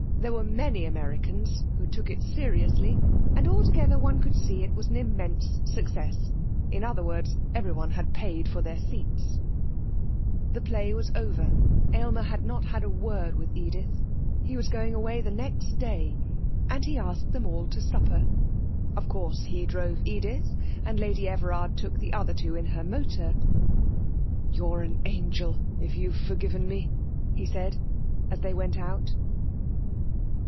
There were many Americans who took it seriously; and altogether one could see it was an immense success; in other words everyone had paid for their seats... The play was over; Aylmer had not had a word with Edith. He was going away the next day, and he asked them all to supper. Of course he drove Edith, and Lady Everard took the other two in her motor.... 'You're an angel if you've forgiven me,' he said, as they went out.